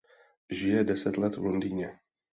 Žil deset let v Londýně.